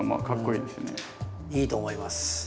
いいと思います。